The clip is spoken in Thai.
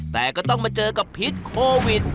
แต่ก็ต้องมาเจอกับพิษโควิด